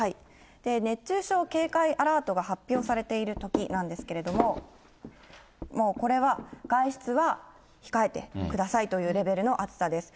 熱中症警戒アラートが発表されているときなんですけれども、もうこれは、外出は控えてくださいというレベルの暑さです。